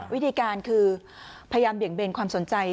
วิธีการคือพยายามเบี่ยงเบนความสนใจ